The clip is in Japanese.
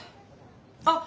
あっ！